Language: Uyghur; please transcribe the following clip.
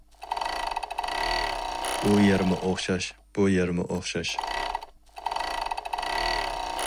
ئۇ يەرمۇ ئوخشاش، بۇ يەرمۇ ئوخشاش.